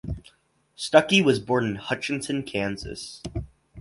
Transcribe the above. Stucky was born in Hutchinson, Kansas.